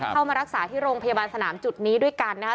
เข้ามารักษาที่โรงพยาบาลสนามจุดนี้ด้วยกันนะครับ